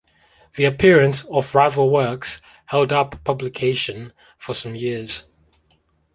The appearance of rival works held up publication for some years.